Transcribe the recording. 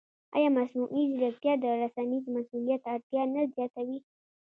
ایا مصنوعي ځیرکتیا د رسنیز مسؤلیت اړتیا نه زیاتوي؟